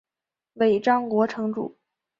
尾张国城主。